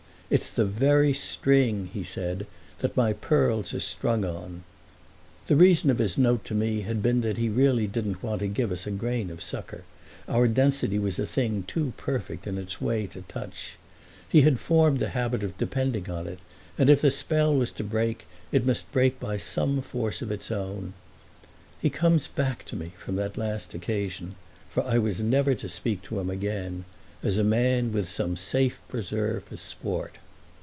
"It's the very string," he said, "that my pearls are strung on!" The reason of his note to me had been that he really didn't want to give us a grain of succour—our density was a thing too perfect in its way to touch. He had formed the habit of depending on it, and if the spell was to break it must break by some force of its own. He comes back to me from that last occasion—for I was never to speak to him again—as a man with some safe preserve for sport.